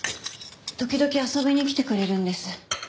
時々遊びに来てくれるんです。